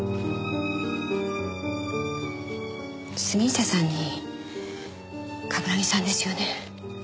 杉下さんに冠城さんですよね？